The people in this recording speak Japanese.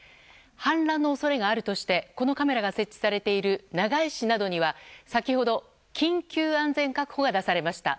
氾濫の恐れがあるとしてこのカメラが設置されている長井市などには先ほど緊急安全確保が出されました。